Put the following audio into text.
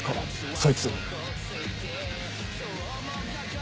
そいつ。